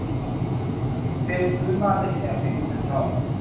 เพลงพื้นบ้านไม่ใช่แนวเพลงที่ฉันชอบ